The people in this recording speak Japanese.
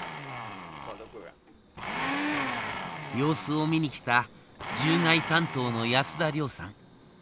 様子を見に来た獣害担当の安田亮さん。